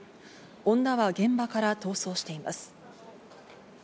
女は現場から逃走しています。